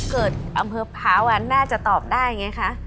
เกิดอำเภอพาวันน่าจะตอบได้ไงคะ